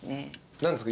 何ですか？